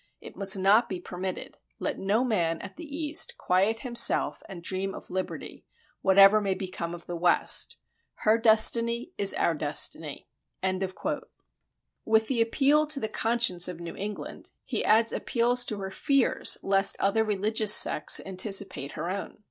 It must not be permitted. ... Let no man at the East quiet himself and dream of liberty, whatever may become of the West. ... Her destiny is our destiny."[36:1] With the appeal to the conscience of New England, he adds appeals to her fears lest other religious sects anticipate her own.